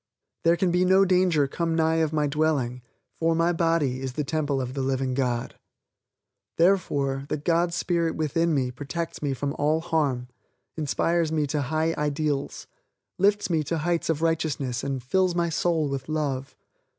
There can be no danger come nigh my dwelling for my body is the temple of the living God. Therefore, the God Spirit within me protects me from all harm, inspires me to high ideals, lifts me to heights of righteousness and fills my soul with love.